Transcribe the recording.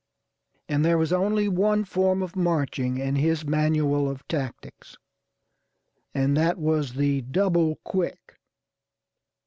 And there was only one form of marching in his manual of tactics, and that was the double quick.